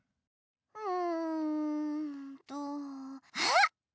うんとあっ！